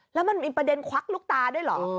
แล้วมันมีประเด็นควักลูกตาด้วยเหรอ